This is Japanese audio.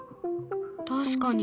確かに。